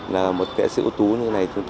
là một nghệ sĩ ưu tú như này